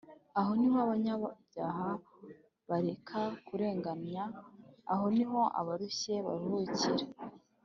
aho ni ho abanyabyaha bareka kurenganya, aho ni ho abarushye baruhukira